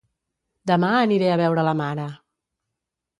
Demà aniré a veure la mare